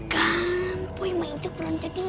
kan boy yang main cek perancadian